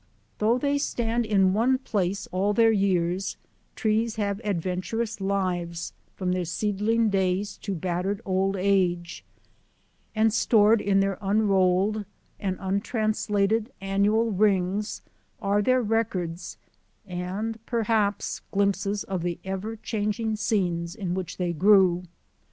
Though they stand in one place all their years, trees have adventurous lives from their seedling days to battered old age, and stored in their un rolled and untranslated annual rings are their rec ords and perhaps glimpses of the everchanging scenes in which they grew.